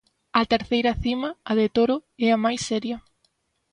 A terceira cima, a de Toro, é a mais seria.